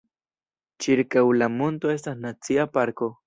Ĉirkaŭ la monto estas nacia parko.